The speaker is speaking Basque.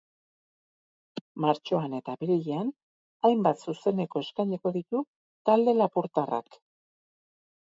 Martxoan eta apirilean hainbat zuzeneko eskainiko ditu talde lapurtarrak.